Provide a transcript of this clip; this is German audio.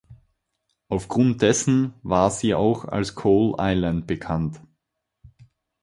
Aufgrund dessen war sie auch als Coal Island bekannt.